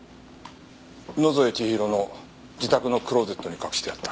野添千尋の自宅のクローゼットに隠してあった。